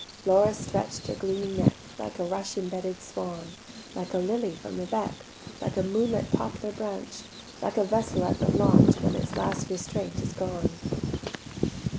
Laura stretch'd her gleaming neck Like a rush imbedded swan, Like a lily from the beck, Like a moonlit poplar branch, Like a vessel at the launch When its last restraint is gone.